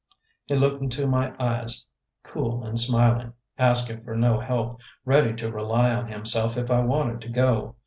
He looked into my eyes cool and smiling, asking for no help, ready to rely on himself if I wanted to go.